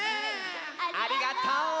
ありがとう！